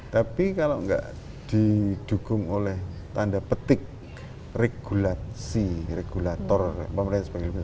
tapi kalau tidak didukung oleh tanda petik regulasi regulator apa namanya